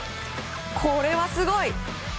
これはすごい！